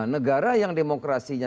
negara yang demokrasinya